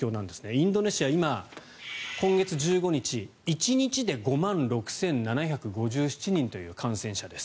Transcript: インドネシアは今、今月１５日１日で５万６７５７人という感染者です。